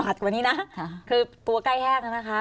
หมาดกว่านี้นะคือตัวใกล้แห้งนะคะ